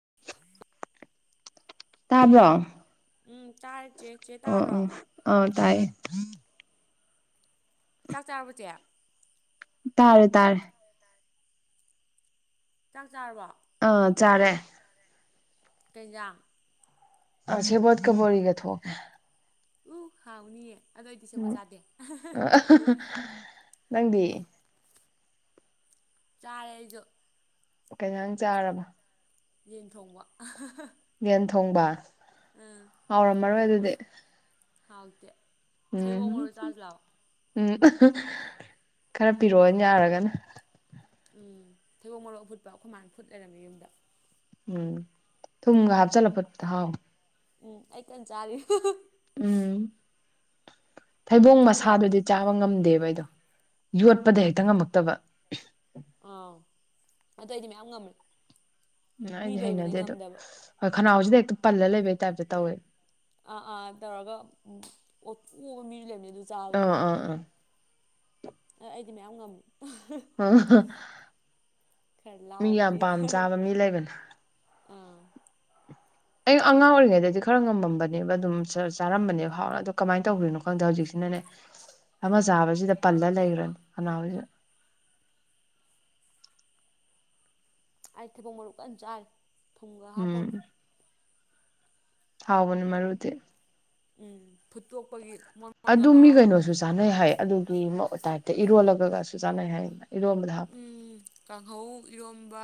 [inaudible] ꯇꯥꯕ꯭ꯔꯣ ꯎꯝ ꯇꯥꯔ ꯆꯦ ꯆꯦ ꯇꯥꯕ꯭ꯔꯣ ꯑ ꯇꯥꯏꯌꯦ ꯆꯛ ꯆꯥꯔꯕꯣ ꯆꯦ ꯇꯥꯔꯦ ꯇꯥꯔꯦ ꯆ ꯆꯥꯛ ꯆꯥꯔꯕ ꯑꯥ ꯆꯥꯔꯦ ꯀꯩ ꯖꯥꯡ ꯑꯁꯦꯕꯣꯠ ꯀꯃꯣꯔꯤꯒ ꯊ ꯎ ꯍꯥꯎꯅꯤꯌꯦ ꯑꯗꯨꯗ ꯑꯣꯏꯗꯤ ꯁꯦꯕ ꯎꯝ ꯆꯥꯗꯦ ꯅꯪꯗꯤ ꯆꯥꯔꯦ ꯑꯩꯁꯨ ꯀꯩꯩꯅꯥꯡ ꯆꯥꯔꯕ ꯌꯦꯟ ꯊꯣꯡꯕ ꯌꯦꯟ ꯊꯣꯡꯕ ꯎꯝ ꯍꯥꯎꯔꯝꯃꯔꯣꯏ ꯑꯗꯨꯗꯤ ꯍꯥꯎꯇꯦ ꯊꯩꯕꯣꯡ ꯎꯝ ꯃꯔꯨ ꯆꯥꯖꯤ ꯂꯥꯎ ꯎꯝ ꯈꯔ ꯄꯤꯔꯛꯑꯣꯅ ꯌꯥꯔꯒꯅ ꯎꯝ ꯊꯩꯕꯣꯛ ꯃꯣꯔꯣꯛ ꯐꯨꯠꯄ ꯑꯩꯈꯣꯏ ꯃꯥꯅ ꯐꯨꯠ ꯂꯩꯔꯝꯃꯦ ꯌꯨꯝꯗ ꯎꯝ ꯊꯨꯝꯒ ꯍꯥꯞꯆꯜꯂꯛꯄꯗ ꯍꯥꯎ ꯎꯝ ꯑꯩ ꯀꯟꯅ ꯆꯥꯔꯤ ꯎꯝ ꯐꯩꯕꯣꯡ ꯆꯥꯖꯤ ꯂꯥꯎ ꯃꯁꯥꯗꯨꯗꯤ ꯆꯥꯕ ꯉꯝꯗꯦꯕ ꯑꯩꯗꯣ ꯌꯣꯠꯄꯗ ꯍꯦꯛꯇ ꯉꯝꯃꯛꯇꯕ ꯑꯥ ꯑꯗꯨ ꯑꯩꯗꯤ ꯃꯌꯥꯝ ꯉꯝꯃꯦ ꯎꯝ ꯃꯤ ꯑꯩꯗꯤ ꯂꯩꯕꯅꯤ ꯍꯩꯅꯗꯦ ꯉꯝꯗꯕ ꯑꯗꯨꯗ ꯍꯣꯏ ꯈꯅꯥꯎꯁꯤꯗ ꯍꯦꯛꯇ ꯄꯜꯂꯒ ꯂꯩꯕꯩ ꯇꯥꯏꯞꯇ ꯇꯧꯋꯦ ꯑꯥ ꯑꯥ ꯇꯧꯔꯒ ꯎ ꯑꯣꯕ ꯃꯤꯁꯨ ꯂꯩꯔꯕꯅꯤ ꯑꯗꯨ ꯑꯥ ꯆꯥꯕꯗ ꯑꯥ ꯑꯥ ꯑꯩꯗꯤ ꯃꯌꯥꯝ ꯉꯝꯃꯤ ꯑꯣ ꯈꯔ ꯃꯤ ꯌꯥꯝ ꯄꯥꯝ ꯂꯥꯎꯕꯅꯤꯅ ꯆꯥꯕ ꯃꯤ ꯂꯩꯕꯅ ꯑꯥ ꯑꯩ ꯑꯉꯥꯡ ꯑꯣꯏꯔꯤꯉꯩꯗꯗꯤ ꯈꯔ ꯉꯝꯃꯝꯕꯅꯦꯕ ꯑꯗꯨꯝ ꯆꯥꯔꯝꯕꯅꯦꯕ ꯍꯥꯎꯅ ꯑꯗꯣ ꯀꯃꯥꯏꯅ ꯇꯧꯗ꯭ꯔꯤꯅꯣ ꯈꯪꯗꯦ ꯍꯧꯖꯤꯛꯁꯤꯅꯅꯦ ꯑꯃ ꯆꯥꯕꯁꯤꯗ ꯄꯜꯂ ꯂꯩꯈ꯭ꯔꯅꯤ ꯀꯅꯥꯏꯁꯤꯅ ꯑꯩ ꯊꯤꯕꯣꯛ ꯃꯔꯨꯞ ꯀꯟꯅ ꯆꯥꯏ ꯊꯨꯝꯒ ꯍꯥꯞꯄ ꯎꯝ ꯍꯥꯎꯕꯅꯦ ꯃꯔꯨꯗꯤ ꯎꯝ ꯐꯨꯠꯇꯣꯛꯄꯒꯤ ꯃꯣꯟꯒ ꯑꯗꯨ ꯃꯤ ꯂꯥꯎꯔꯒ ꯀꯩꯅꯣꯁꯨ ꯆꯥꯅꯩ ꯍꯥꯏ ꯑꯗꯨꯒꯤ ꯇꯥꯏꯞꯇ ꯏꯔꯣꯜꯂꯒꯁꯨ ꯆꯥꯅꯩ ꯍꯥꯏ ꯏꯔꯣꯕꯗ ꯎ ꯀꯥꯡꯍꯧ ꯏꯔꯣꯝꯕ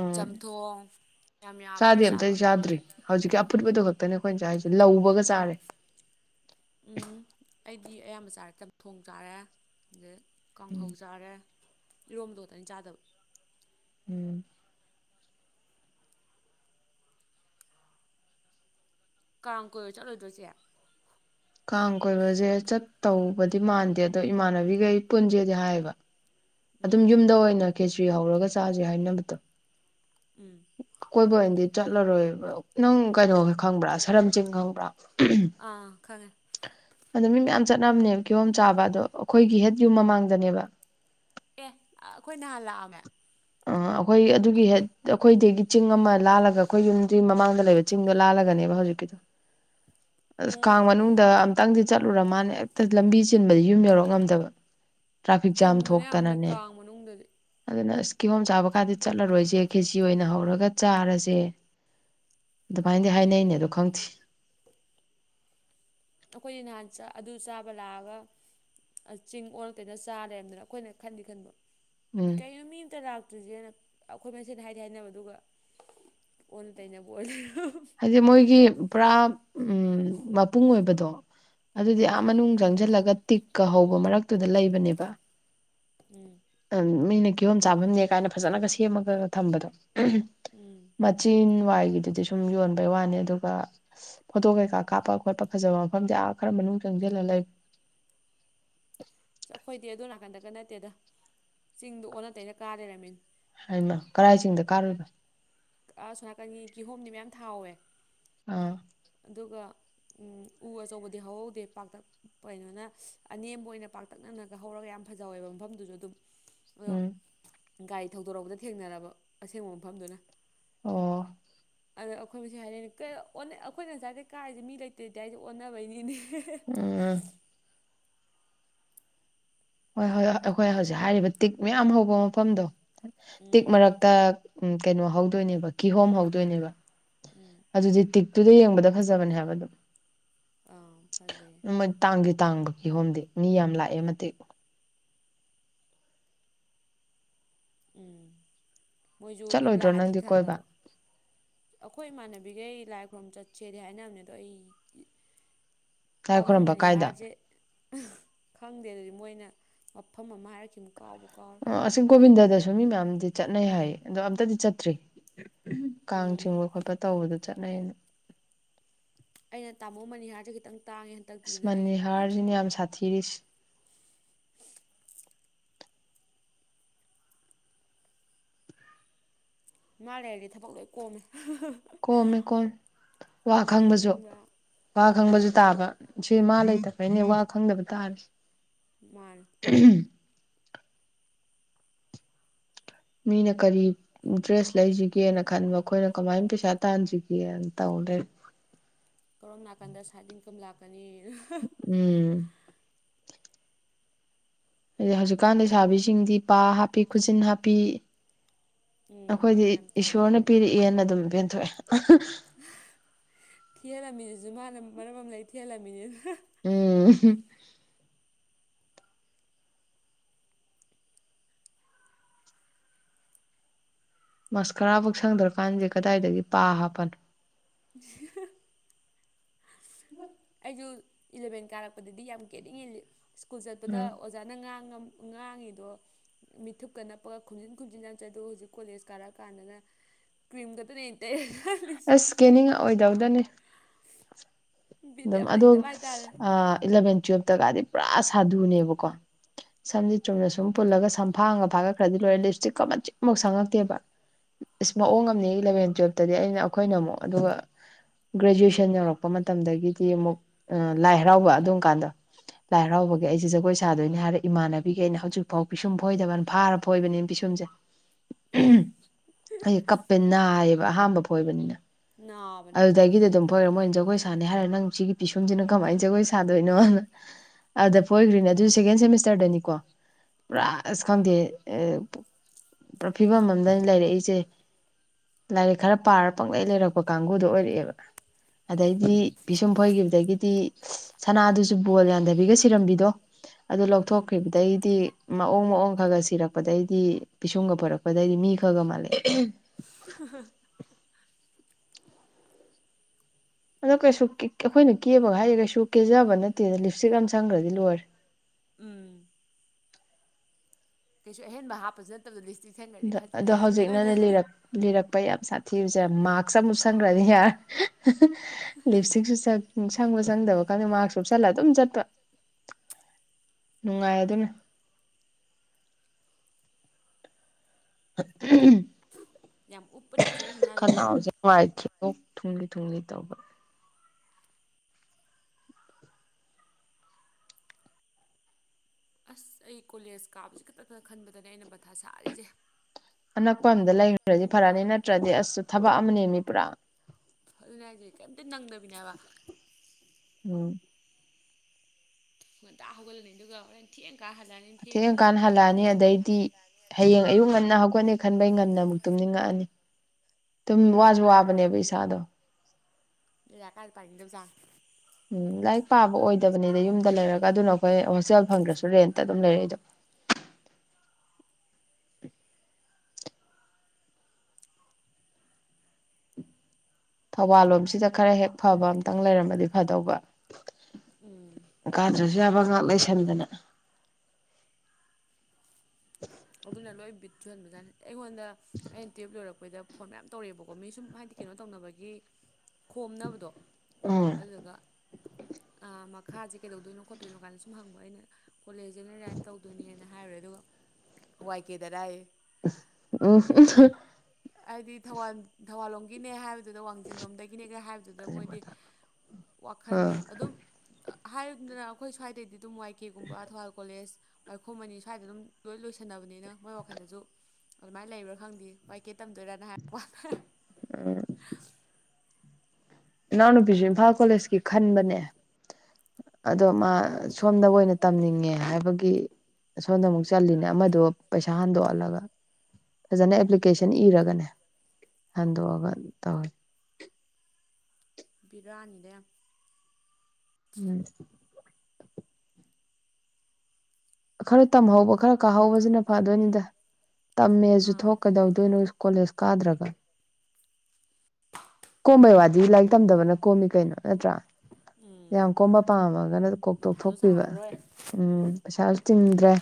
ꯎꯝ ꯆꯝꯊꯣꯡ ꯌꯥꯝ ꯌꯥꯕꯅꯦ ꯆꯥꯗꯦ ꯆꯥꯕ ꯑꯝꯇꯗꯤ ꯆꯥꯗ꯭ꯔꯤ ꯍꯧꯖꯤꯛꯀꯤ ꯑꯄꯨꯠꯕꯗꯨꯣ ꯈꯛꯇꯅꯦ ꯑꯩꯈꯣꯏꯅꯁ ꯍꯥꯏꯁꯦ ꯂꯧ [inaudible] ꯎꯝ ꯑꯩꯗꯤ ꯑꯌꯥꯝꯕ ꯆꯥꯔꯦꯝ ꯊꯣꯡ ꯆꯥꯔꯦ ꯑꯗ ꯀꯥꯡꯍꯧ ꯆꯥꯔꯦ ꯏꯔꯣꯝꯗꯣꯇꯅꯤ ꯆꯥꯗꯕ ꯎꯝ ꯀꯥꯡ ꯀꯣꯏꯕ ꯆꯠꯂꯣꯏꯗꯣꯔ ꯆꯦ ꯀꯥꯡ ꯀꯣꯏꯕꯁꯦ ꯆꯠꯇꯧꯕꯗꯤ ꯃꯥꯟꯗꯦ ꯑꯗꯣ ꯏꯃꯥꯟꯅꯕꯤꯈꯩ ꯄꯨꯟꯁꯦꯗꯤ ꯍꯥꯏꯌꯦꯕ ꯑꯗꯨꯝ ꯎꯝ ꯌꯨꯝꯗ ꯑꯣꯏꯅ ꯈꯦꯆ꯭ꯔꯤ ꯍꯧꯔꯒ ꯆꯥꯥꯁꯦ ꯍꯥꯏꯅꯕꯗꯣ ꯎꯝ ꯑꯀꯣꯏꯕ ꯑꯣꯏꯅꯗꯤ ꯆꯠꯂꯔꯣꯏꯕ ꯅꯪ ꯀꯩꯅꯣꯒ ꯈꯪꯕ꯭ꯔꯥ ꯁꯔꯝ ꯆꯤꯡ ꯈꯪꯕ꯭ꯔꯥ ꯑꯥ ꯈꯪꯉꯦ ꯑꯗꯣ ꯃꯤ ꯃꯌꯥꯝ ꯆꯠꯅꯕꯅꯦꯕ ꯀꯤꯍꯣꯝ ꯆꯥꯕ ꯑꯗꯣ ꯑꯩꯈꯣꯏꯒꯤ ꯍꯦꯠ ꯌꯨꯝ ꯃꯃꯥꯡꯗꯅꯦꯕ ꯑꯦ ꯑꯩꯈꯣꯏ ꯅꯍꯥꯟ ꯂꯥꯛꯑꯃꯦ ꯑ ꯑꯩꯈꯣꯏ ꯑꯗꯨꯒꯤ ꯍꯦ ꯑꯩꯈꯣꯏꯗꯒꯤ ꯆꯤꯡ ꯑꯃ ꯂꯥꯜꯂꯒ ꯑꯩꯈꯣꯏ ꯌꯨꯝꯗꯨ ꯃꯃꯥꯡꯗ ꯂꯩꯕ ꯆꯤꯡꯗꯣ ꯂꯥꯜꯂꯒꯅꯦꯕ ꯍꯧꯖꯤꯛꯀꯤꯗꯣ [unintelligible] ꯑꯁ ꯀꯥꯡ ꯃꯅꯨꯡꯗ ꯑꯝꯇꯪꯗꯤ ꯆꯠꯂꯨꯔ ꯃꯥꯅꯦ ꯍꯦꯛꯇ ꯂꯝꯕꯤ ꯆꯤꯟꯕꯗꯤ ꯌꯨꯝ ꯌꯧꯔꯛ ꯉꯝꯗꯕ ꯇ꯭ꯔꯥꯐꯤꯛ ꯖꯥꯝ ꯆꯤꯟꯕꯅꯦ ꯌꯥꯝꯅ ꯊꯣꯛꯇꯅꯅꯦ ꯀꯥꯡ ꯃꯅꯨꯡꯗꯗꯤ ꯑꯗꯨꯅ ꯑꯁ ꯀꯤꯍꯣꯝ ꯆꯥꯕ ꯀꯥꯟꯗꯤ ꯆꯠꯂꯔꯣꯏꯁꯦ ꯈꯦꯁꯤ ꯑꯣꯏꯅ ꯍꯧꯔꯒ ꯆꯥꯔꯁꯦ ꯑꯗꯨꯃꯥꯏꯅꯗꯤ ꯍꯥꯏꯅꯩꯩꯅꯦ ꯑꯗꯣ ꯈꯪꯗꯦ ꯑꯩꯈꯣꯏꯗꯤ ꯅꯍꯥꯟ ꯆꯥꯛ ꯑꯗꯨ ꯆꯥꯕ ꯂꯥꯛꯑꯒ ꯆꯤꯡ ꯑꯣꯟꯅ ꯇꯩꯏꯅ ꯆꯥ ꯂꯩꯔꯝꯗꯅ ꯑꯩꯈꯣꯏꯅ ꯈꯟꯗꯤ ꯈꯟꯕ ꯎꯝ ꯀꯩꯅꯣ ꯃꯤ ꯑꯃꯝꯇ ꯂꯥꯛꯇ꯭ꯔꯤꯁꯦꯅ ꯑꯩꯈꯣꯏ ꯃꯁꯦꯜꯟꯅ ꯍꯥꯏꯗꯤ ꯍꯥꯏꯅꯕ ꯑꯗꯨꯒ ꯑꯣꯟꯅ ꯇꯩꯅꯕ ꯑꯣꯏ ꯍꯥꯏꯗꯤ ꯃꯣꯏꯒꯤ ꯄꯨꯔꯥ ꯃꯄꯨꯡ ꯑꯣꯏꯕꯗꯣ ꯑꯗꯨꯗꯤ ꯎꯝ ꯑꯥ ꯃꯅꯨꯡ ꯆꯪꯁꯤꯜꯂꯒ ꯇꯤꯛꯀ ꯍꯧꯕ ꯃꯔꯛꯇꯨꯗ ꯂꯩꯕꯅꯦꯕ ꯎꯝ ꯃꯤꯅ ꯀꯤꯍꯣꯝ ꯆꯥꯐꯝꯅꯦ ꯀꯥꯏꯅ ꯐꯖꯅꯒ ꯁꯦꯝꯃꯒ ꯊꯝꯕꯗꯣ ꯎꯝ ꯃꯆꯤꯟ ꯋꯥꯏꯒꯤꯗꯨꯗꯤ ꯁꯨꯝ ꯌꯣꯟꯕꯩ ꯋꯥꯅꯤ ꯑꯗꯨꯒ ꯐꯣꯇꯣ ꯀꯩꯀꯥ ꯀꯥꯞꯄ ꯈꯣꯠꯄ ꯐꯖꯕ ꯃꯐꯝꯗꯤ ꯑꯥ ꯈꯔ ꯃꯅꯨꯡ ꯆꯪꯁꯤꯜꯂ ꯂꯩ ꯑꯁ ꯑꯩꯈꯣꯏꯗꯤ ꯑꯗꯨ ꯅꯥꯀꯟꯗꯒ ꯅꯠꯇꯦꯗ ꯆꯤꯡꯗꯣ ꯑꯣꯟꯅ ꯇꯩꯅ ꯀꯥ ꯂꯩꯔꯝꯃꯤꯅ ꯍꯥꯏꯃꯥ ꯀꯔꯥꯏ ꯆꯤꯡꯗ ꯀꯥꯔꯨꯏꯕ ꯑꯁꯣꯝ ꯅꯥꯀꯟꯒꯤ ꯀꯤꯍꯣꯝꯗꯤ ꯃꯌꯥꯝ ꯊꯥꯍꯧꯋꯦ ꯑꯥ ꯑꯗꯨꯒ ꯎ ꯑꯆꯧꯕꯗꯤ ꯍꯧꯍꯧꯗꯦ ꯄꯥꯛꯇꯛꯄꯩꯅꯣꯅ ꯑꯅꯦꯝꯕ ꯑꯣꯏꯅ ꯄꯥꯛꯇꯛ ꯄꯇꯛꯅꯅꯒ ꯍꯧꯔꯒ ꯌꯥꯝ ꯐꯖꯍꯧꯋꯦꯕ ꯃꯐꯝꯗꯨꯁꯨ ꯑꯗꯨꯝ ꯑꯣꯗꯣ ꯎꯝ ꯒꯥꯔꯤ ꯊꯧꯗꯣꯔꯛꯄꯗ ꯊꯦꯡꯅꯔꯕ ꯑꯁꯦꯡꯕ ꯃꯐꯝꯗꯨꯅ ꯑꯣ ꯑꯗꯣ ꯑꯩꯈꯣꯏ ꯃꯁꯦꯟ ꯍꯥꯏꯅꯩꯅꯤ ꯀꯩꯅꫭ ꯑꫭꯟꯅꯩ ꯑꯩꯈꯣꯏꯅ ꯉꯁꯥꯏꯈꯩꯏ ꯀꯥꯔꯤꯁꯦ ꯃꯤ ꯂꯩꯇꯦ ꯂꯩꯇꯦ ꯍꯥꯏꯔꯤꯁꯦ ꯑꯣꯟꯅꯕꯩꯅꯤꯅꯦ ꯎꯝ ꯍꯣꯏ ꯍꯣꯏ ꯍꯣꯏ ꯑꯩꯈꯣꯏ ꯍꯧꯖꯤꯛ ꯍꯥꯏꯔꯤꯕ ꯇꯤꯛ ꯃꯌꯥꯝ ꯍꯧꯕ ꯃꯐꯝꯗꯣ ꯇꯤꯛ ꯎꯝ ꯃꯔꯛ ꯇ ꯎꯝ ꯀꯩꯅꫭ ꯍꯧꯗꫭꯏꯅꯦꯕ ꯀꯤꯍꫭꯝ ꯍꯧꯗꯣꯏꯅꯦꯕ ꯎꯝ ꯑꯗꯨꯗꯤ ꯇꯤꯛꯇꯨꯗ ꯌꯦꯡꯕꯗ ꯐꯖꯕꯅꯦ ꯍꯥꯏꯕ ꯑꯗꯨꯝ ꯑꯥ ꯐꯖꯩ ꯃꯣꯏ ꯇꯥꯡꯗꯤ ꯇꯥꯡꯕꯒꯤ ꯀꯤꯍꯣꯝꯗꯤ ꯃꯤ ꯌꯥꯝ ꯂꯥꯛꯏ ꯃꯇꯤꯛ ꯎꯝ ꯃꯣꯏꯁꯨ ꯑꯗꯨꯝ ꯆꯠꯂꯣꯏꯗ꯭ꯔꯣ ꯂꯥꯛꯑꯅꯤ ꯅꯪꯗꯤ ꯀꯣꯏꯕ ꯈꯪꯉꯕ ꯑꯩꯈꯣꯏ ꯏꯃꯥꯟꯅꯕꯤꯈꯩ ꯂꯥꯏ ꯈꯨꯔꯨꯝ ꯆꯠꯁꯦꯗꯤ ꯍꯥꯏꯅꯕꯅꯦ ꯑꯗꯣ ꯑꯩ ꯂꯥꯏ ꯄꯥꯕꯨꯡ ꯈꯣꯏꯔꯝꯕ ꯀꯥꯏꯗ ꯃꯅꯤꯍꯔꯁꯦ ꯈꯪꯗꯦ ꯑꯗꯨꯗꯤ ꯃꯣꯏꯅ ꯃꯐꯝ ꯑꯃ ꯍꯥꯏꯔꯛꯈꯤꯕ ꯀꯥꯎꯕ ꯀꯥꯎꯔꯦ ꯑꯥ ꯑꯁꯤ ꯒꯣꯕꯤꯟꯗꯗꯁꯨ ꯃꯤ ꯃꯌꯥꯝꯗꯤ ꯆꯠꯅꯩ ꯍꯥꯏ ꯑꯗꯣ ꯑꯝꯇꯗꯤ ꯆꯠꯇ꯭ꯔꯤ ꯀꯥꯡ ꯎꯝ ꯆꯤꯡꯕ ꯈꯣꯠꯄ ꯇꯧꯕꯗ ꯆꯠꯅꯩꯌꯦꯅ ꯑꯩꯅ ꯇꯥꯃꯣ ꯃꯅꯤ ꯍꯥꯏꯔꯁꯦ ꯈꯤꯇꯪ ꯇꯥꯡꯉꯦ ꯑꯁ ꯍꯟꯗꯛꯇꯤꯅ ꯍꯥꯏꯈꯤꯕꯅꯦ ꯃꯅꯤꯍꯥꯔꯁꯤꯅꯤ ꯌꯥꯝ ꯁꯥꯊꯤꯔꯤꯁꯤ ꯃꯥꯥ ꯂꯩꯔꯗꯤ ꯊꯕꯛ ꯂꯣꯏ ꯀꯣꯝꯃꯦ [unintelligible] ꯀꯣꯝꯃꯤ ꯀꯣꯝꯃꯤ ꯋꯥ ꯈꯪꯕꯁꯨ ꯂꯩꯅꯤꯡꯕ ꯋꯥ ꯎꯝ ꯈꯪꯕꯁꯨ ꯇꯥꯕ ꯁꯤ ꯃꯥ ꯂꯩꯇꯕꯩꯅꯦ ꯋꯥ ꯈꯪꯗꯕ ꯇꯥꯔꯤ ꯃꯥꯅꯤ ꯎꯝ ꯃꯤꯅ ꯀꯔꯤ ꯗ꯭ꯔꯦꯁ ꯂꯩꯁꯤꯒꯦꯅ ꯈꯟꯕ ꯑꯈꯣꯏꯅ ꯀꯃꯥꯏꯅ ꯄꯩꯁꯥ ꯇꯥꯟꯁꯤꯒꯦꯅ ꯇꯧ ꯂꯩꯔꯦ ꯀꯔꯣꯝ ꯅꯥꯀꯥꯟꯗ ꯁꯥꯏꯠ ꯏꯟꯀꯝ ꯂꯥꯛꯀꯅꯤ [unintelligible] ꯎꯝ ꯑꯗꯩ ꯍꯧꯖꯤꯛꯀꯥꯟ ꯂꯩꯁꯥꯥꯕꯤꯁꯤꯡꯗꯤ ꯄꯥ ꯍꯥꯞꯄꯤ ꯈꯨꯖꯤꯟ ꯍꯥꯞꯄꯤ ꯎꯝ ꯑꯈꯣꯏꯗꯤ ꯌꯥꯝ ꯇꯧꯔꯦ ꯏꯁꯣꯔꯅ ꯄꯤꯔꯛꯑꯦꯅ ꯑꯗꯨꯝ ꯄꯦꯟꯊꯣꯛꯑꯦ [unintelligible] ꯊꯤꯍꯜꯂꯝꯃꯤꯁꯤꯁꯨ ꯃꯥꯅ ꯃꯔꯝ ꯑꯃ ꯂꯩ ꯊꯤꯍꯜꯂꯝꯃꯤꯅꯤꯅꯦ ꯎꯝ ꯃꯁꯀꯔꯥ ꯐꯥꯎ ꯁꯪꯗ꯭ꯔꯀꯥꯟꯁꯤꯗ ꯀꯗꯥꯏꯗꯒꯤ ꯄꯥ ꯍꯥꯞꯄꯅꯣ [unintelligible] ꯑꯩꯁꯨ ꯏꯂꯚꯦꯟ ꯀꯥꯔꯛꯄꯗꯗꯤ ꯌꯥꯝ ꯀꯦꯅꯤꯡꯉꯦ ꯁ꯭ꯀꯨꯜ ꯆꯠꯄꯗ ꯎꯝ ꯑꯣꯖꯥ ꯖꯥꯅ ꯉꯥꯡ ꯉꯝ ꯉꯥꯡꯉꯤꯗꯣ ꯃꯤꯊꯨꯞꯀ ꯅꯞꯄꯒ ꯈꯣꯨꯝꯖꯤꯟ ꯈꯣꯝꯖꯤꯟ ꯌꯥꯝ ꯆꯩ ꯑꯗꯨ ꯍꯧꯖꯤꯛ ꯀꯣꯂꯦꯖ ꯀꯥꯔꯛꯑꯀꯥꯟꯗꯅ ꯀ꯭ꯔꯤꯝꯈꯇ ꯅꯦ ꯑꯩꯅ ꯇꯦꯔ ꯆꯠꯂꯤꯁꯤ [unintelligible] ꯀꯦꯅꯤꯡ ꯉꯛꯑꯣꯏꯗꯧꯗꯅꯤ ꯕꯤꯠ ꯑꯗꯨꯝ ꯌꯥꯝ ꯑꯗꯣ ꯂꯩꯇꯕ ꯍꯥꯏꯇꯥꯔꯦ ꯏꯂꯚꯦꯟ ꯇꯨꯋꯦꯜꯞꯇꯒꯗꯤ ꯄꯨꯔꯥ ꯁꯥꯗꯨꯅꯦꯕꯀꯣ ꯁꯝꯖꯤ ꯆꯨꯝꯅ ꯁꯨꯝ ꯄꯨꯜꯂꯒ ꯁꯝꯐꯥ ꯑꯝꯒ ꯐꯥꯒꯠꯈ꯭ꯔꯗꯤ ꯂꯣꯏꯔꯦ ꯂꯤꯞ ꯏꯁꯇꯤꯛꯀ ꯃꯆꯦꯠ ꯑꯝꯐꯥꯎ ꯁꯪꯉꯛꯇꯦꯕ [unintelligible] ꯏꯁ ꯃꯑꯣꯡ ꯑꯝꯅꯦ ꯏꯂꯦꯚꯦꯟ ꯇꯨꯋꯦꯜꯐ ꯇꯗꯤ ꯑꯩꯅ ꯑꯩꯈꯣꯏꯅ ꯑꯃꯨꯛ ꯑꯗꯨꯒ ꯒ꯭ꯔꯦꯖꯨꯑꯦꯁꯟ ꯌꯧꯔꯛꯄ ꯃꯇꯝꯗꯒꯤ ꯇꯤ ꯑꯃꯨꯛ ꯂꯥꯏ ꯍꯔꯥꯎꯕ ꯑꯗꯨꯝ ꯀꯥꯟꯗꯨ ꯂꯥꯏ ꯍꯔꯥꯎꯕꯒꯤ ꯑꯩꯁꯦ ꯖꯒꯣꯏ ꯁꯥꯗꯣꯏꯅꯤ ꯍꯥꯏꯔ ꯏꯃꯥꯟꯅꯕꯤꯒꯩꯅ ꯍꯧꯖꯤꯛꯐꯥꯎ ꯄꯤꯁꯨꯝ ꯐꯣꯏꯗꯕꯅ ꯐꯥꯔꯕ ꯐꯣꯏꯕꯅꯦ ꯄꯤꯁꯨꯝꯁꯦ ꯑꯩꯁꯦ ꯀꯞꯄꯦ ꯅꯥꯏꯌꯦꯕ ꯑꯍꯥꯟꯕ ꯐꯣꯏꯕꯅꯤꯅ ꯅꯥ ꯑꯗꯨꯗꯒꯤꯗꯤ ꯑꯗꯨꯝ ꯐꯣꯏꯈꯔꯦ ꯃꯣꯏꯅ ꯖꯒꯣꯏ ꯁꯥꯅꯤ ꯍꯥꯏꯔꯦ ꯅꯪ ꯁꯤꯒꯤ ꯄꯤꯁꯨꯝꯁꯤꯅ ꯀꯃꯥꯏꯅ ꯖꯒꯣꯏ ꯁꯥꯗꯣꯏꯅꯣꯅ ꯑꯥꯗ ꯐꯣꯏꯒ꯭ꯔꯤꯅꯤ ꯑꯗꯨ ꯁꯦꯀꯦꯟ ꯁꯦꯃꯤꯁꯇꯔꯗꯅꯤꯀꯣ ꯄꯨꯔꯥ ꯑꯁ ꯈꯪꯗꯦ ꯄꯨꯔꯥ ꯐꯤꯕꯝ ꯑꯃꯗꯅꯤ ꯂꯩꯔꯛꯏꯁꯦ ꯂꯥꯏꯔꯤꯛ ꯈꯔ ꯄꯥꯔ ꯄꯪꯂꯩ ꯂꯩꯔꯛꯄ ꯀꯥꯡꯒꯨꯗꯣ ꯑꯣꯏꯔꯛꯑꯦꯕ ꯑꯗꯩꯗꯤ ꯄꯤꯁꯨꯝ ꯐꯣꯏꯈꯤꯕꯗꯒꯤꯗꯤ ꯁꯅꯥꯗꯨꯁꯨ ꯕꯣꯜ ꯌꯥꯟꯊꯕꯤꯒ ꯁꯤꯔꯝꯕꯤꯗꯣ ꯑꯗꯨ ꯎꯝ ꯂꯧꯊꯣꯛꯈ꯭ꯔꯤꯕꯗꯩꯗꯤ ꯃꯑꯣꯡ ꯃꯑꯣꯡ ꯈꯔ ꯈꯔ ꯁꯤꯔꯛꯄꯗꯩꯗꯤ ꯄꯤꯁꯨꯝꯒ ꯐꯣꯏꯔꯛꯄꯗꯩꯗꯤ ꯃꯤ ꯈꯔ ꯈꯔ ꯃꯥꯜꯂꯛꯑꯦ ꯍꯥ ꯍꯥ ꯑꯗꯣ ꯀꯩꯁꯨ ꯑꯩꯈꯣꯏꯅ ꯀꯦꯕꯒ ꯍꯥꯏꯔꯤꯁꯦ ꯀꯩꯁꯨ ꯀꯦꯖꯕ ꯅꯠꯇꯦꯗ ꯂꯤꯞꯏꯁꯇꯤꯛ ꯑꯃ ꯁꯪꯈ꯭ꯔꯗꯤ ꯂꯣꯏꯔꯦ ꯎꯝ ꯀꯩꯁꯨ ꯑꯍꯦꯟꯕ ꯍꯥꯞꯄꯁꯨ ꯅꯠꯇꯕ ꯂꯤꯞꯁꯇꯤꯛ ꯁꯡꯈ꯭ꯔꯗꯤ ꯑꯗ ꯐꯖꯔꯦ ꯑꯗꯣ ꯑꯁꯤꯅꯤ ꯍꯧꯖꯤꯛꯅꯅꯦ ꯑꯩꯈꯣꯏ ꯂꯤꯔꯛ ꯂꯤꯔꯛꯄ ꯌꯥꯝ ꯁꯥꯊꯤꯕꯁꯦ ꯃꯥꯛꯁ ꯑꯃ ꯎꯞꯁꯟꯈ꯭ꯔꯗꯤ ꯌꯥꯔꯦ ꯂꯤꯞꯁꯇꯤꯛꯁꯨ ꯁꯛ ꯁꯪꯕ ꯁꯪꯗꯕ ꯈꯪꯗꯦ ꯃꯥꯛꯁ ꯎꯨꯞꯁꯜꯂ ꯑꯗꯨꯝ ꯆꯠꯄ [inaudible] ꯅꯨꯡꯉꯥꯏ ꯑꯗꯨꯅ [inaudible] [unintelligible] ꯌꯥꯝ ꯎꯞꯄꯅꯦ ꯆꯦ ꯔꯣꯖꯤꯅꯥꯖꯨ ꯅꯨꯡꯉꯥꯏꯇ꯭ꯔꯦ ꯂꯣꯛ ꯊꯨꯝꯂꯤ ꯊꯨꯡꯂꯤ ꯇꯧꯕ ꯑꯁ ꯑꯩ ꯀꯣꯂꯦꯖ ꯀꯥꯕꯁꯤ ꯈꯤꯇ ꯈꯔ ꯈꯟꯕꯗꯅꯦ ꯑꯩꯅ ꯃꯊꯥ ꯁꯥꯔꯤꯁꯦ ꯑꯅꯛꯄ ꯑꯝꯗ ꯂꯩꯔꯨꯔꯗꯤ ꯐꯔꯅꯤ ꯅꯠꯇ꯭ꯔꯗꯤ ꯑꯁꯁꯨ ꯊꯕꯛ ꯑꯃꯅꯦ ꯃꯤ ꯄꯨꯔꯥ ꯑꯗꯨꯅꯦ ꯍꯥꯏꯁꯦ ꯀꯩꯝꯇ ꯅꯪꯗꯕꯤꯅꯦꯕ ꯎꯝ ꯉꯟꯇꯥ ꯍꯧꯒꯠꯂꯅꯤ ꯑꯗꯨꯒ ꯍꯣꯔꯦꯟ ꯊꯦꯡ ꯀꯥꯟ ꯍꯜꯂꯛꯑꯅꯤꯅ ꯊꯦꯡ ꯊꯦꯡꯀꯥꯟ ꯍꯜꯂꯛꯑꯕꯃꯤꯅ ꯍꯜꯂꯛꯑꯅꯤ ꯀꯩꯝꯇꯁꯨ ꯑꯗꯩꯗꯤ ꯇꯧꯅꯤꯡꯉꯔꯣꯏ ꯍꯌꯦꯡ ꯑꯌꯨꯛ ꯉꯟꯅ ꯍꯧꯒꯠꯅꯤ ꯈꯟꯕꯩ ꯉꯟꯅ ꯑꯃꯨꯛ ꯇꯨꯝꯅꯤꯡꯉꯛꯑꯅꯤ ꯇꯨꯝ ꯎꯝ ꯋꯥꯁꯨꯕ ꯅꯦꯕ ꯏꯁꯥꯗꯣ ꯂꯩ ꯌꯥ ꯀꯥꯏ ꯄꯥꯏꯅꯤꯗꯧꯖ [unintelligible] ꯎꯝ ꯂꯥꯏꯔꯤꯛ ꯄꯥꯕ ꯑꯣꯏꯗꯕꯅꯤꯗ ꯌꯨꯝꯗ ꯂꯩꯔꯒ ꯑꯗꯨꯅ ꯑꯩꯈꯣꯏ ꯍꯣꯁꯇꯦꯜ ꯐꯪꯗ꯭ꯔꯁꯨ ꯔꯦꯟꯇ ꯑꯗꯨꯝ ꯂꯩꯔꯛꯏꯗꯣ ꯊꯧꯕꯥꯜ ꯂꯣꯝꯁꯤꯗ ꯈꯔ ꯍꯦꯛ ꯐꯕ ꯑꯝꯇꯪ ꯂꯩꯔꯝꯃꯗꯤ ꯐꯗꯧꯕ ꯎꯝ ꯀꯥꯗ꯭ꯔꯁꯨ ꯌꯥꯕ ꯉꯥꯛ ꯂꯩꯁꯟꯗꯅ ꯑꯗꯨꯅ ꯂꯣꯏ ꯕꯤꯠ ꯁꯨꯍꯟꯕꯖꯥꯠꯅꯦ ꯑꯩꯉꯣꯟꯗ ꯑꯩꯅ ꯇꯨꯌꯦꯞ ꯂꯣꯏꯔꯛꯄ ꯑꯩꯈꯣꯏꯗ ꯐꯣꯟ ꯃꯌꯥꯝ ꯇꯧꯔꯛꯑꯦꯕꯀꯣ ꯃꯤ ꯁꯨꯝ ꯍꯥꯏꯗꯤ ꯀꯩꯅꯣ ꯇꯧꯅꯕꯒꯤ ꯈꯣꯝꯅꯕꯗꯣ ꯎꯝ ꯑꯗꯨꯗꯨꯒ ꯑ ꯃꯈꯥꯁꯦ ꯀꯩꯗꯧꯗꯣꯏꯅꯣ ꯈꯣꯠꯇꯣꯏꯅꯣ ꯀꯥꯏꯅ ꯁꯨꯝ ꯍꯪꯕ ꯑꯩꯅ ꯀꯣꯂꯦꯖ ꯖꯦꯅꯔꯦꯜ ꯂꯥꯏꯟ ꯇꯧꯗꯣꯏꯅꯦꯅ ꯍꯥꯏꯔꯨꯔꯦ ꯑꯗꯨꯒ ꯋꯥꯏ ꯀꯦꯗꯔꯑꯦ ꯎꯝ [inaudible] ꯍꯥꯏꯗꯤ ꯊꯧꯕꯜ ꯊꯧꯕꯥꯜꯂꯣꯝꯒꯤꯅꯦ ꯍꯥꯏꯕ ꯑꯗꯨꯗ ꯋꯥꯡꯖꯤꯡꯡꯂꯣꯝꯗꯒꯤꯅꯦꯒ ꯍꯥꯏꯕꯗꯨꯗ ꯑꯗꯨ ꯃꯣꯏꯗꯤ ꯃꯊꯥ ꯑꯥ ꯋꯥꯈꯟꯗꯣ ꯑꯗꯨꯝ ꯍꯥꯏꯌꯨꯗꯅ ꯑꯩꯈꯣꯏ ꯁ꯭ꯋꯥꯏꯗꯩꯗꯤ ꯑꯗꯨꯝ ꯋꯥꯏ ꯀꯦꯒꯨꯝꯕ ꯊꯧꯕꯥꯜ ꯀꯣꯂꯦꯖ ꯋꯥꯥꯏꯈꯣꯝ ꯃꯅꯤ ꯁ꯭ꯋꯥꯏꯗ ꯑꯗꯨꯝ ꯂꯣꯏ ꯂꯣꯏꯁꯤ ꯁꯟꯅꯅꯕꯅꯤꯅ ꯃꯣꯏ ꯋꯥꯈꯟꯗꯁꯨ ꯑꯗꯨꯃꯥꯏꯅ ꯂꯩꯕ꯭ꯔꯥ ꯈꯪꯗꯦ ꯋꯥꯏ ꯀꯦ ꯇꯝꯗꯣꯏꯔꯅ ꯍꯥꯏꯔꯛꯄ ꯑ [inaudible] ꯏꯅꯥꯎꯅꯨꯄꯤꯁꯨ ꯏꯝꯐꯥꯜ ꯀꯣꯂꯦꯖꯀꯤ ꯈꯟꯕꯅꯦ ꯑꯗꯣ ꯃꯥ ꯁꯣꯝꯗ ꯑꯣꯏꯅ ꯇꯝꯅꯤꯡꯉꯦ ꯍꯥꯏꯕꯒꯤ ꯁꯣꯝꯗ ꯑꯃꯨꯛ ꯆꯜꯂꯤꯅꯦ ꯑꯃꯗꯣ ꯄꯩꯁꯥ ꯍꯟꯗꯣꯛꯍꯜꯂꯒ ꯐꯖꯅ ꯎꯝ ꯑꯦꯄ꯭ꯂꯤꯀꯦꯁꯟ ꯏꯔꯒꯅꯦ ꯍꯟꯗꯣꯛꯑꯒ ꯇꯧꯋꯦ ꯕꯤꯔꯥꯅꯤꯗ ꯌꯥꯝ ꯎꯝ ꯈꯔ ꯇꯝꯍꯧꯕ ꯈꯔ ꯀꯥꯍꯧꯕꯁꯤꯅ ꯐꯗꯣꯏꯅꯤꯗ ꯇꯝꯃꯦꯁꯨ ꯑꯥ ꯊꯣꯛꯀꯗꯧ ꯗꯣꯏ ꯅꯣ ꯀꯣꯂꯦꯖ ꯀꯥꯗ꯭ꯔꯒ ꯀꯣꯝꯕꯩ ꯋꯥꯗꯤ ꯂꯥꯏꯔꯤꯛ ꯇꯝꯗꯕꯅ ꯀꯣꯝꯃꯤ ꯀꯩꯅꯣ ꯅꯠꯇ꯭ꯔꯥ ꯎꯝ ꯌꯥꯝ ꯀꯣꯝꯕ ꯄꯥꯝꯃꯒꯅ ꯀꯣꯛ ꯃꯊꯥꯁꯨ ꯇꯣꯛꯊꯣꯛꯄꯤꯕ ꯁꯥꯔꯔꯣꯏ ꯎꯝ ꯄꯩꯁꯥꯁꯨ ꯇꯤꯡꯗ꯭ꯔꯦ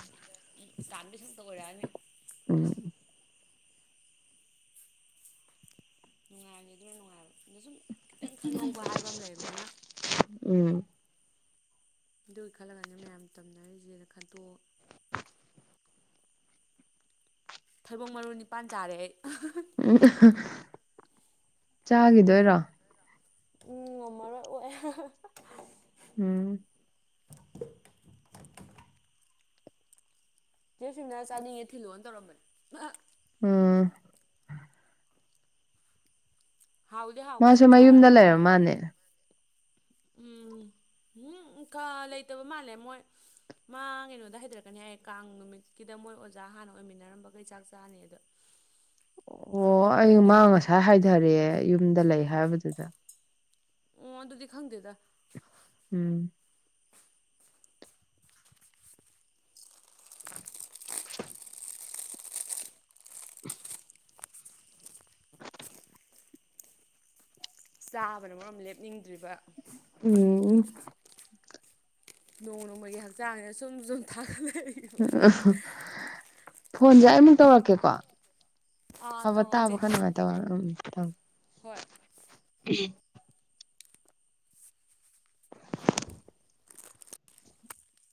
ꯎꯝ ꯇꯥꯟꯕꯩ ꯁꯔꯨꯛꯇ ꯑꯣꯏꯔꯛ ꯑꯅꯤ ꯎꯝ ꯅꯨꯡꯉꯥꯏꯅꯤ ꯑꯗꯨꯅ ꯅꯨꯡꯉꯥꯏꯕ ꯑꯗꯣ ꯁꯨꯝ ꯈꯤꯇꯪ ꯈꯪꯍꯧꯕ ꯍꯥꯏꯕ ꯑꯃ ꯂꯩꯕꯅꯤꯅ ꯎꯝ ꯑꯗꯨꯒꯤ ꯈꯜꯂꯒꯅꯦꯠꯃꯌꯥꯝ ꯇꯝꯅꯔꯤꯁꯦꯅ ꯈꯟꯇꯣꯛ ꯊꯩꯕꯣꯡ ꯃꯔꯨ ꯅꯤꯄꯥꯟ ꯆꯥꯔꯦ ꯑꯩ ꯎꯝ ꯆꯥꯈꯤꯗꯣꯏꯔꯣ ꯎꯝ ꯉꯝꯃꯔꯣꯏ ꯑꯣꯛꯑꯦ ꯎꯝ ꯆꯦꯁꯤꯡꯅ ꯆꯥꯅꯤꯡꯉꯦ ꯊꯤꯜꯂꯣꯅ ꯇꯧꯔꯝꯕꯅꯦ ꯎꯝ ꯍꯥꯎꯗꯤ ꯍꯥꯎꯕ ꯃꯥꯁꯨ ꯁꯨꯝ ꯃꯌꯨꯝꯗ ꯆꯥꯔꯛꯑꯁꯨ ꯂꯩꯔ ꯃꯥꯟꯅꯦ ꯎꯝ ꯎꯝ ꯈ ꯂꯩꯇꯕ ꯃꯥꯜꯂꯦ ꯃꯣꯏ ꯃꯥ ꯀꯩꯅꯣꯗ ꯍꯥꯏꯊꯔꯛꯀꯅꯤ ꯍꯥꯏꯌꯦ ꯀꯥꯡ ꯅꯨꯃꯤꯠꯀꯤꯗ ꯃꯣꯏ ꯑꯣꯖꯥ ꯍꯥꯟꯅ ꯑꯣꯏꯃꯤꯟꯅꯔꯝꯕꯒꯩ ꯆꯥꯛ ꯆꯥꯅꯤ ꯑꯗꯣ [unintelligible] ꯑꯣ ꯑꯩ ꯃꯥ ꯉꯁꯥꯏ ꯍꯥꯏꯊꯔꯦ ꯌꯨꯝꯗ ꯂꯩ ꯍꯥꯏꯕꯗꯨꯗ ꯑꯣ ꯑꯗꯨꯗꯤ ꯈꯪꯗꯦꯗ ꯎꯝ [unintelligible] ꯆꯥꯕꯅ ꯃꯔꯣꯝ ꯂꯦꯞꯅꯤꯡꯗ꯭ꯔꯤꯕ ꯎꯝ ꯎ ꯅꯣꯡꯃ ꯅꯣꯡꯃꯒꯤ ꯍꯛꯆꯥꯡꯁꯦ ꯁꯨꯝ ꯁꯨꯝ ꯊꯥꯒꯠꯂꯛꯏ ꯎꯝ ꯎ ꯐꯣꯟꯁꯦ ꯑꯩꯃꯨꯛ ꯇꯧꯔꯛꯀꯦꯀꯣ ꯑꯥ ꯊꯥꯕ ꯇꯧꯔꯛꯑꯣ ꯇꯥꯕ ꯆꯦ ꯈ ꯅꯨꯡꯉꯥꯏꯇꯕ ꯎꯝ ꯍꯣꯏ ꯎ [unintelligible]